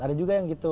ada juga yang gitu